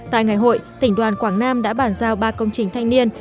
tại ngày hội tỉnh đoàn quảng nam đã bản giao ba công trình thanh niên